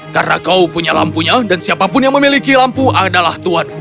karena kau punya lampunya dan siapapun yang memiliki lampu adalah tuan